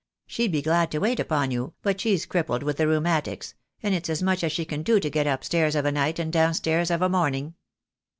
She'd be glad to wait upon you, but she's crippled with the rheumatics, and it's as much as she can do to get upstairs of a night and downstairs of a morning."